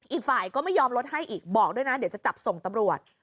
อีกฝ่ายก็ไม่ยอมลดให้อีกบอกด้วยนะเดี๋ยวจะจับส่งตำรวจ